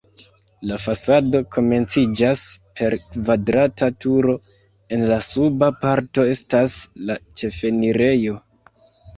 La fasado komenciĝas per kvadrata turo, en la suba parto estas la ĉefenirejo.